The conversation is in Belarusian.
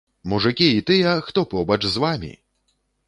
Мужыкі і тыя, хто побач з вамі!